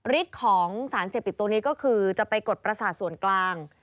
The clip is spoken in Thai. ฤทธิ์ของสารเสพติดตัวนี้ก็คือจะไปกดประสาทส่วนกลาง